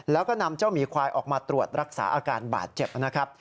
แล้วก็นำเจ้าหมีควายออกมาตรวจรักษาอาการบาดเจ็บนะครับ